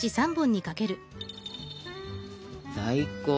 最高！